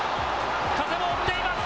風も追っています。